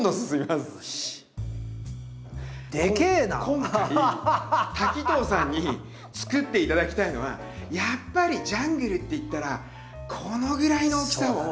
今回滝藤さんにつくって頂きたいのはやっぱりジャングルっていったらこのぐらいの大きさを。